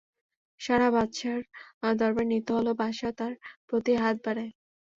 Sarah বাদশাহর দরবারে নীত হলে, বাদশাহ তাঁর প্রতি হাত বাড়ায়।